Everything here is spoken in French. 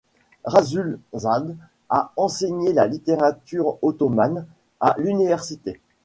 Rasulzade a enseigné la littérature ottomane à l'université.